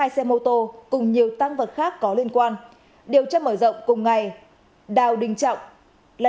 hai xe mô tô cùng nhiều tăng vật khác có liên quan điều tra mở rộng cùng ngày đào đình trọng là